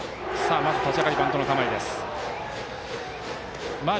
まず立ち上がりバントの構えから。